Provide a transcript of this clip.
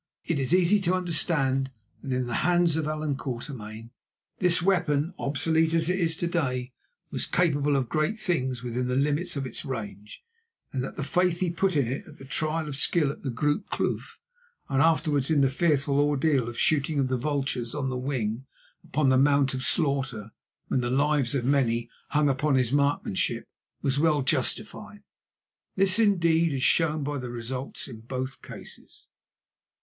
It is easy to understand that in the hands of Allan Quatermain this weapon, obsolete as it is to day, was capable of great things within the limits of its range, and that the faith he put in it at the trial of skill at the Groote Kloof, and afterwards in the fearful ordeal of the shooting of the vultures on the wing, upon the Mount of Slaughter, when the lives of many hung upon his marksmanship, was well justified. This, indeed, is shown by the results in both cases.